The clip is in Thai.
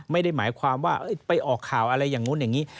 ไม่ได้หมายความว่าไปออกข่าวอะไรอย่างนู้นอย่างนี้